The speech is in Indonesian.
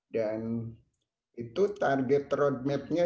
dan itu target roadmap nya